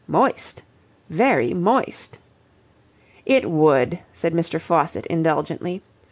"Moist. Very moist." "It would," said Mr. Faucitt indulgently.